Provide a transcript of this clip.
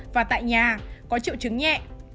và tại nhà có triệu chứng nhẹ